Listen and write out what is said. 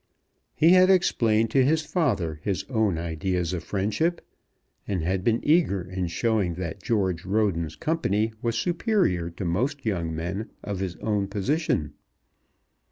He had explained to his father his own ideas of friendship, and had been eager in showing that George Roden's company was superior to most young men of his own position.